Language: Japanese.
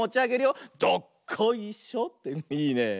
いいね。